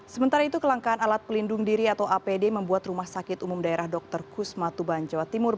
sementara itu kelangkaan alat pelindung diri atau apd membuat rumah sakit umum daerah dr kusma tuban jawa timur